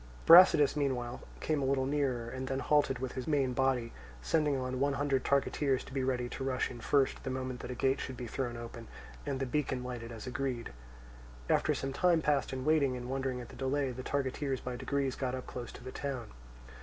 Brasidas meanwhile came a little nearer and then halted with his main body, sending on one hundred targeteers to be ready to rush in first, the moment that a gate should be thrown open and the beacon lighted as agreed. After some time passed in waiting and wondering at the delay, the targeteers by degrees got up close to the town.